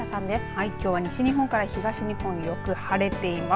はい、きょうは東日本から西日本よく晴れています。